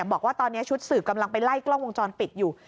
บอกว่าตอนนี้ชุดสืบกำลังไปไล่กล้องวงจรปิดอยู่